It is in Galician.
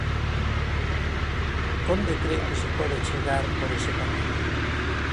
¿Onde cren que se pode chegar por ese camiño?